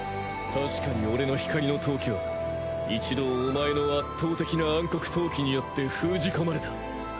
たしかに俺の光の闘気は一度お前の圧倒的な暗黒闘気によって封じ込まれた。